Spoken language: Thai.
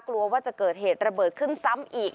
กลัวว่าจะเกิดเหตุระเบิดขึ้นซ้ำอีก